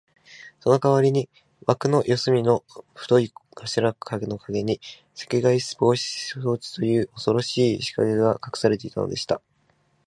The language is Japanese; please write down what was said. そのかわりに、わくの四すみの太い柱のかげに、赤外線防備装置という、おそろしいしかけがかくされていたのです。